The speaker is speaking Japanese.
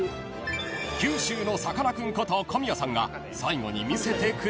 ［九州のさかなクンこと小宮さんが最後に見せてくれたのは］